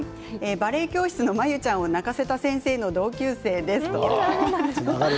バレエ教室の真由ちゃんを泣かせた先生の同級生です。